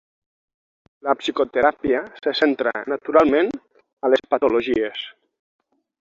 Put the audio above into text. La psicoteràpia se centra naturalment a les patologies.